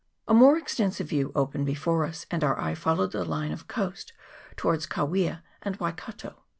A most extensive view opened before us, and our eye followed the line of coast towards Kawia and Wai kato.